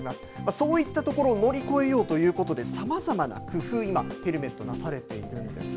そういったところを乗り越えようということで、さまざまな工夫、今、ヘルメット、なされているんです。